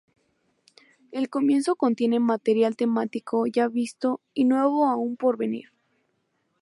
El comienzo contiene material temático ya visto y nuevo aún por venir.